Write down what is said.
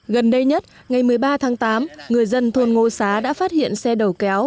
gần đây nhất ngày một mươi ba tháng tám người dân thôn ngô xá đã phát hiện xe đầu kéo